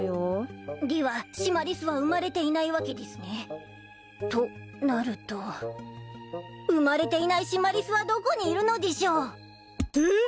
でぃはシマリスは生まれていないわけでぃすね。となると生まれていないシマリスはどこにいるのでぃしょう？えっ！？